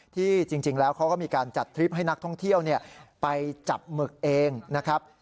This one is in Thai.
ที่จริงแล้วเขาก็มีการจัดทริปให้นักท่องเที่ยวไปจับหมึกเองนะครับ